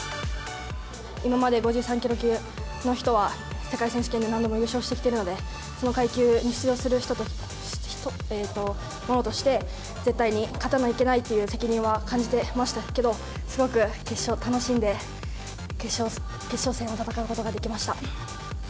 今まで５３キロ級の人は、世界選手権で何度も優勝してきてるので、その階級に出場する者として、絶対に勝たないといけないという責任は感じてましたけど、すごく決勝楽しんで、決勝戦を戦うことができました。